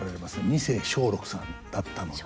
二世松緑さんだったので。